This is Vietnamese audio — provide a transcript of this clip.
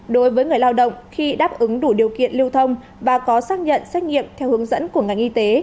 đối với người lao động khi đáp ứng đủ điều kiện lưu thông và có xác nhận xét nghiệm theo hướng dẫn của ngành y tế